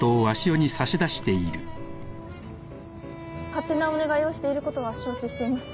勝手なお願いをしていることは承知しています。